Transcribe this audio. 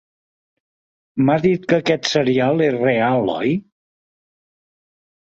M'ha dit que aquest serial és real, oi?